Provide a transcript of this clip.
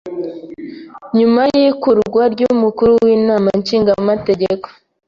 Nyuma y'ikurwa ry'umukuru w'inama nshingamateka